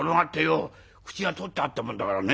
口が取ってあったもんだからね